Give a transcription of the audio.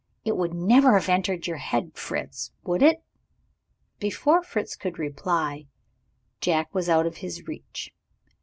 It would never have entered your head, Fritz, would it?" Before Fritz could reply, Jack was out of his reach.